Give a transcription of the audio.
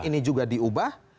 ini juga diubah